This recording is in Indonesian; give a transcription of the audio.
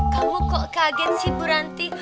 kamu kok kaget sih bu nanti